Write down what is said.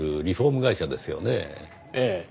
ええ。